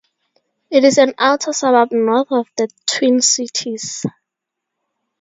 It is an outer suburb north of the Twin Cities.